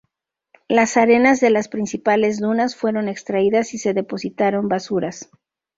Las arenas de las principales dunas fueron extraídas y se depositaron basuras.